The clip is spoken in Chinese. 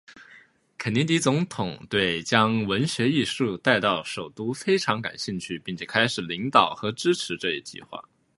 肯尼迪总统对将文学艺术带到首都非常感兴趣并且开始领导和支持这一计划。